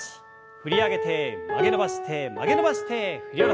振り上げて曲げ伸ばして曲げ伸ばして振り下ろす。